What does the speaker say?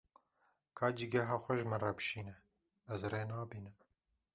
Ka cîgeha xwe ji min re bişîne, ez rê nabînim.